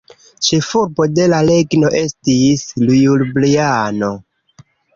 Ĉefurbo de la regno estis Ljubljano.